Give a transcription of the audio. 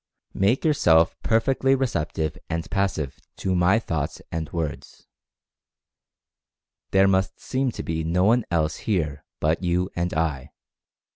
Make yourself Experimental Fascination 97 perfectly receptive and passive to my thoughts and words. There must seem to be no one else here but you and I.